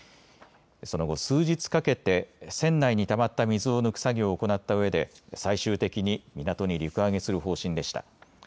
その後、数日かけて船内にたまった水を抜く作業を行ったうえで最終的に港に陸揚げする方針でした。